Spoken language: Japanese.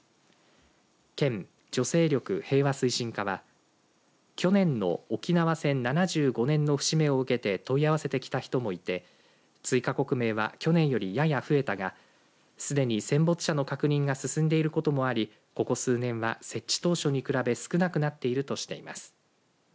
県女性力・平和推進課は去年の沖縄戦７５年の節目を受けて問い合わせてきた人もいて追加刻銘は去年よりやや増えたがすでに戦没者の確認が進んでいることもありここ数年は設置当初に比べ少なくなっているとしています。